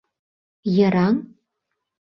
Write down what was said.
Йыраҥ?